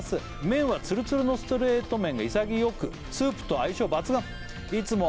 「麺はつるつるのストレート麺が潔くスープと相性抜群いつも」